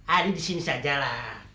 adik di sini sajalah